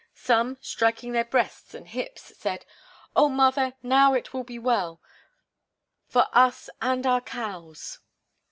Some, striking their breasts and hips, said: "Oh, mother, now it will be well for us and our cows."